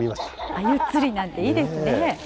アユ釣りなんていいですね。